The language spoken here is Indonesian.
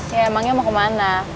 ya emangnya mau kemana